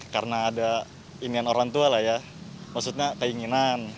karena ada imian orang tua lah ya maksudnya keinginan